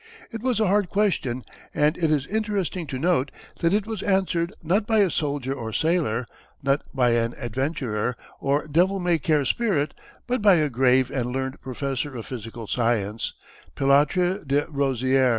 It was a hard question, and it is interesting to note that it was answered not by a soldier or sailor, not by an adventurer, or devil may care spirit, but by a grave and learned professor of physical science, Pilatre de Rozier.